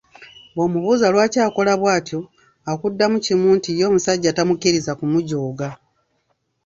Bw'omubuuza lwaki akola bw’atyo akuddamu kimu nti ye omusajja tamukkiriza kumujooga.